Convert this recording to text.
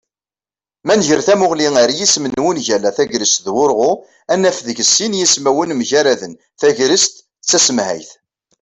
Ma nger tamuγli ar yisem n wungal-a "tagrest d wurγu", ad naf deg-s sin yismawen mgaraden: tegrest d tasemhayt